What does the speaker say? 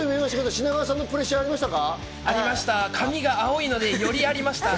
品川さんのプレッシャーはありましたか？